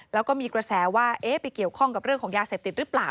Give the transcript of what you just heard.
แล้วก็มีกระแสว่าไปเกี่ยวข้องกับเรื่องของยาเสพติดหรือเปล่า